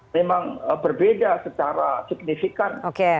memang berbeda secara signifikan